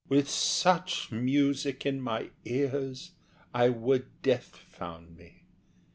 HE. With such music in my ears I would death found me.